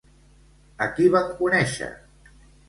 A qui van conèixer?